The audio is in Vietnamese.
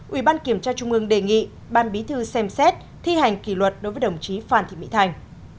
ủy ban kiểm tra trung ương đề nghị ban bí thư xem xét thi hành kỷ luật đối với đồng chí phan thị mỹ thành